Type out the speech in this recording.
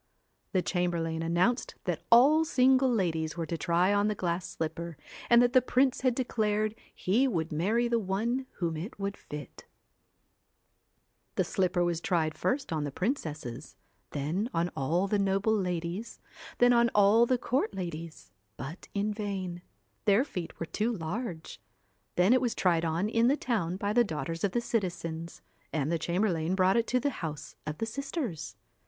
The chamberlain announced that all single ladies were to try on the glass slipper, and that the prince had declared he would marry the one whom it would fit The slipper was tried first on the princesses, then on all the noble ladies, then on all the court ladies, but in vain ; their feet were too large. Then it was tried on in the town by the daughters of the citizens, and the chamberlain brought it to the house of the sisters.